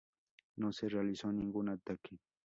No se realizó ningún ataque.